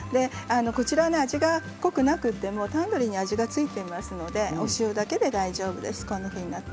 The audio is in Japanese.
こちら味が濃くなくてもタンドリーに味が付いていますのでお塩だけで大丈夫です。